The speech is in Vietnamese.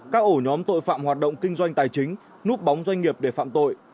các ổ nhóm tội phạm hoạt động kinh doanh tài chính núp bóng doanh nghiệp để phạm tội